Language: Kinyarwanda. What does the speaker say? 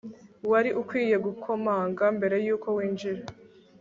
wari ukwiye gukomanga mbere yuko winjira